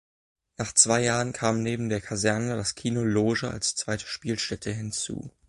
Nach zwei Jahren kam neben der Kaserne das Kino Loge als zweite Spielstätte hinzu.